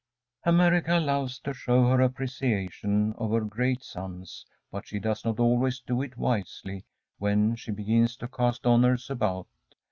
America loves to show her appreciation of her great sons, but she does not always do it wisely when she begins to cast honours about.